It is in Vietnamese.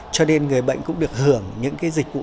cho nên người bệnh cũng được hưởng những cái dịch vụ